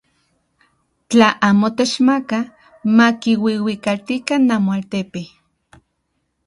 Tla amo techmakaj, makiuiuikaltikan namoaltepe.